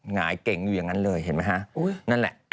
หงายเก่งอยู่อย่างนั้นเลยเห็นไหมฮะ